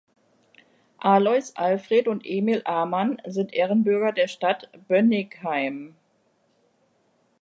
Alois, Alfred und Emil Amann sind Ehrenbürger der Stadt Bönnigheim.